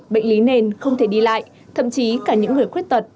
bệnh lý nền không thể đi lại thậm chí cả những người khuyết tật